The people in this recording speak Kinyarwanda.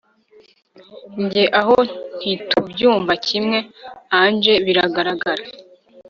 Njye aho ntitubyumva kimwe Angel biragaragara